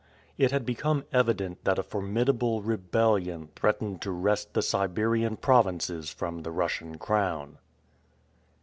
It had become evident that a formidable rebellion threatened to wrest the Siberian provinces from the Russian crown.